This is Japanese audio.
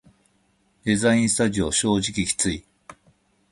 デザインスタジオ正直きつい